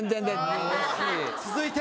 続いて。